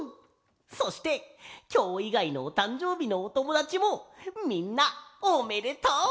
そしてきょういがいのおたんじょうびのおともだちもみんなおめでとう！